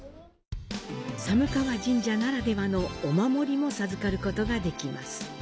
寒川神社ならではのお守りも授かることができます。